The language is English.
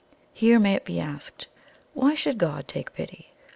"Here it may be asked: Why should God take pity?